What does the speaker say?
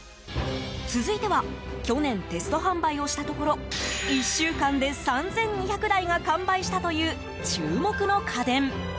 続いては去年テスト販売をしたところ１週間で３２００台が完売したという注目の家電。